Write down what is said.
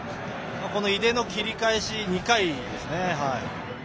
井出の切り替えし２回ですね。